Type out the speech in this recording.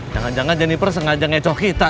jangan jangan jennifer sengaja ngecok kita